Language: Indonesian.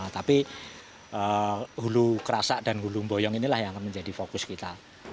tapi hulu kerasak dan hulung boyong inilah yang akan menjadi fokus kita